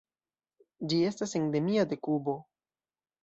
Ĝi estas endemia de Kubo.